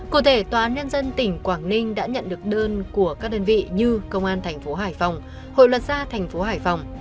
cụ thể tòa án nhân dân tỉnh quảng ninh đã nhận được đơn của các đơn vị như công an thành phố hải phòng hội luật gia thành phố hải phòng